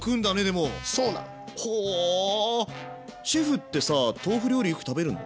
シェフってさ豆腐料理よく食べるの？